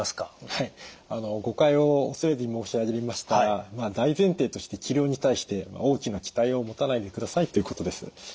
はい誤解を恐れずに申し上げましたら大前提として治療に対して大きな期待を持たないでくださいということです。